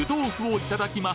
いただきます。